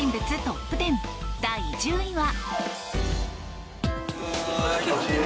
トップ１０第１０位は。